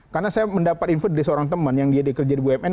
karena saya mendapat info dari seorang teman yang dia dikerja di bumn